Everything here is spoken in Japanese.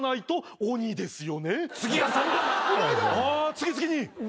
次々に。